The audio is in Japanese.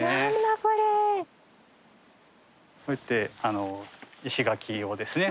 こうやって石垣をですね